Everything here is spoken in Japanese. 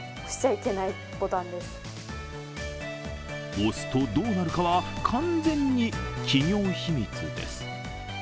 押すとどうなるかは、完全に企業秘密です。